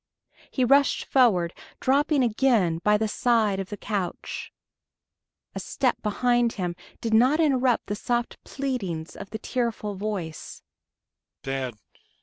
He rushed forward, dropping again by the side of the couch. A step behind him did not interrupt the soft pleadings of the tearful voice.